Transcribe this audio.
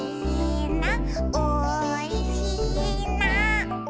「おいしいな」